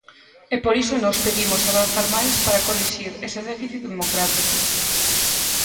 E por iso nós pedimos avanzar máis para corrixir ese déficit democrático.